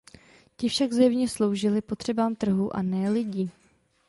Ti však zjevně sloužili potřebám trhu, a ne lidí.